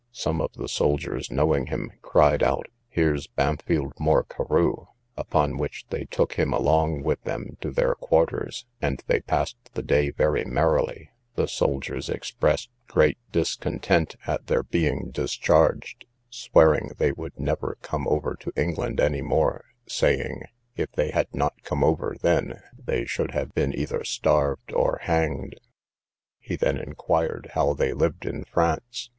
Some of the soldiers knowing him, cried out, Here's Bampfylde Moore Carew! upon which they took him along with them to their quarters, and they passed the day very merrily: the soldiers expressed great discontent at their being discharged, swearing they would never come over to England any more, saying, if they had not come over then, they should have been either starved or hanged. He then inquired how they lived in France?